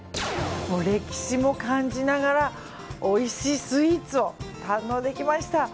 歴史も感じながらおいしいスイーツを堪能できました。